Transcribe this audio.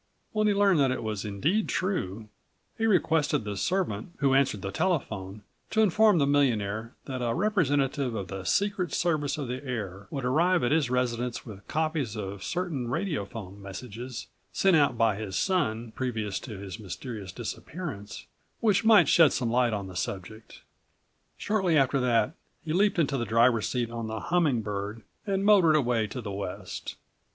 When he learned that it was indeed true, he requested the servant who answered the telephone to inform the millionaire that a representative of the Secret Service of the Air would arrive at his residence with87 copies of certain radiophone messages sent out by his son previous to his mysterious disappearance, which might shed some light on the subject. Shortly after that he leaped into the driver's seat on the Humming Bird and motored away to the west.